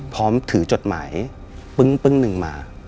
พร้อมถือจดหมายปึ้งหนึ่งมา